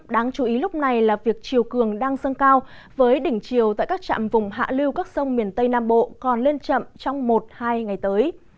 đáng chú ý lúc này là việc chiều cường đang dâng cao với đỉnh chiều tại các trạm vùng hạ lưu các sông miền tây nam bộ còn lên chậm trong một hai ngày tới